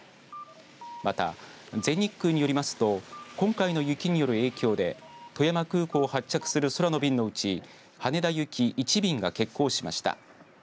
また、全日空によりますと今回の雪による影響で富山空港を発着する空の便のうち羽田行き１便が欠航しました。